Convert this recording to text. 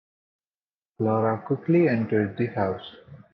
Clara quickly entered the house.